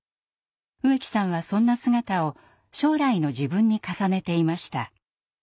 植木さんはそんな姿を将来の自分に重ねていました。